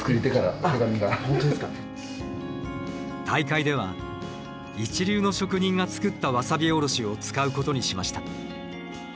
大会では一流の職人が作ったワサビおろしを使うことにしました。